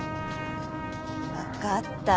わかった。